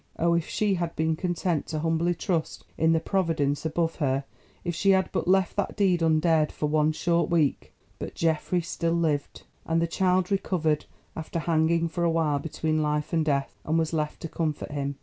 Oh, if she had been content to humbly trust in the Providence above her; if she had but left that deed undared for one short week! But Geoffrey still lived, and the child recovered, after hanging for a while between life and death, and was left to comfort him.